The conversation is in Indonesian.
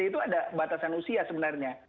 itu ada batasan usia sebenarnya